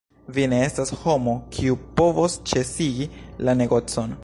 Vi ne estas homo, kiu povos ĉesigi la negocon!